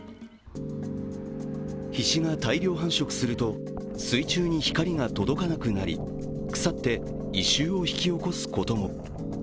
ヒシが大量繁殖すると水中に光が届かなくなり腐って異臭を引き起こすことも。